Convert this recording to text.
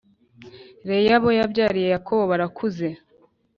Leya abo yabyariye yakobo barakuze